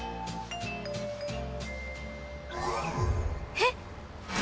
えっ？